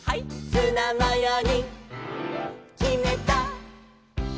「ツナマヨにきめた！」